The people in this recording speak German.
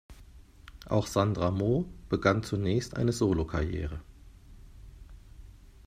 Auch Sandra Mo begann zunächst eine Solokarriere.